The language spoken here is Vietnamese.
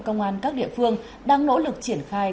công an các địa phương đang nỗ lực triển khai